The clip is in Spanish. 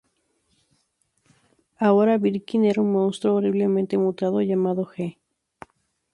Ahora, Birkin era un monstruo horriblemente mutado llamado "G".